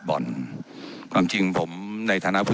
ว่าการกระทรวงบาทไทยนะครับ